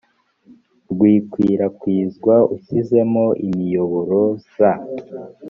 rw ikwirakwizwa ushyizemo imiyoboro za